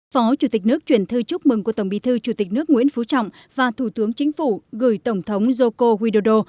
phó chủ tịch nước chuyển thư chúc mừng của tổng bí thư chủ tịch nước nguyễn phú trọng và thủ tướng chính phủ gửi tổng thống joko widodo